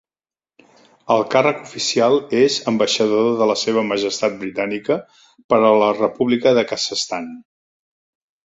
El càrrec oficial és ambaixador de la seva Majestat britànica per a la República de Kazakhstan.